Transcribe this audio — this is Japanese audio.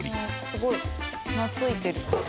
すごい懐いてる。